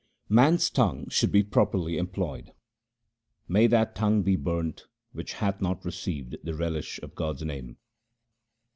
Man's tongue should be properly employed :— May that tongue be burnt which hath not received the relish of God's name